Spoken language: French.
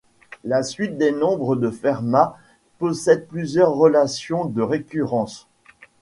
La suite des nombres de Fermat possède plusieurs relations de récurrence.